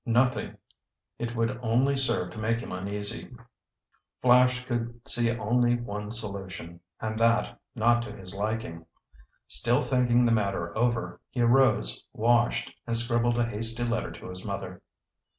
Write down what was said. Nothing. It would only serve to make him uneasy. Flash could see only one solution, and that, not to his liking. Still thinking the matter over, he arose, washed, and scribbled a hasty letter to his mother.